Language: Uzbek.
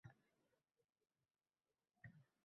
Hayotda bir narsani ko‘p kuzatdim: